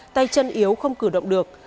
tay chân yếu không cử động được